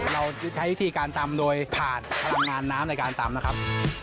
เราใช้วิธีการตำโดยผ่านพลังงานน้ำในการตำนะครับ